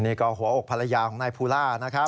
นี่ก็หัวอกภรรยาของนายภูล่านะครับ